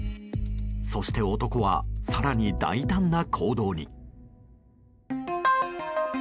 そして、男は更に大胆な行動に。